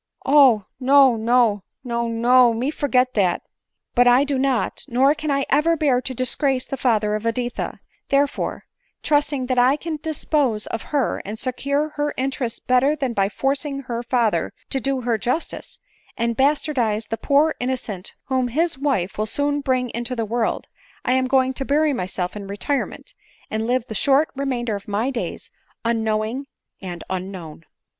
" Oh ! no, no, no, no— me forget dat." " But I do not, nor can I even bear to disgrace the father of Editha; therefore, trusting that I can dispose of her, and secure her interest better than by forcing her father to do her justice, and bastardize the poor innocent whom his wife will soon bring into the world, I am going to bury myself in retirement, and live the short remainder of my days unknowing and unknown."